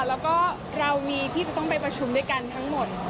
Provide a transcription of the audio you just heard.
แล้วก็เรามีที่จะต้องไปประชุมด้วยกันทั้งหมด